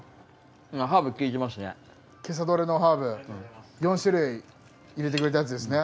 今朝採れのハーブ４種類入れてくれたやつですね。